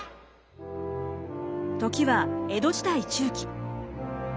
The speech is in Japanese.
時は江戸時代中期。